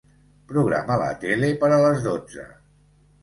Programa la tele per a les dotze.